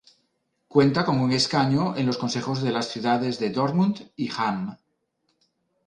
Cuenta con un escaño en los consejos de las ciudades de Dortmund y Hamm.